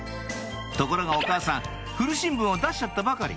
ところがお母さん古新聞を出しちゃったばかり